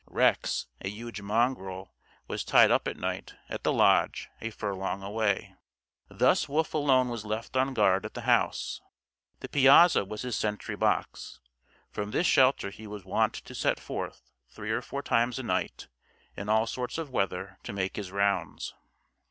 Rex, a huge mongrel, was tied up at night, at the lodge, a furlong away. Thus Wolf alone was left on guard at the house. The piazza was his sentry box. From this shelter he was wont to set forth three or four times a night, in all sorts of weather, to make his rounds.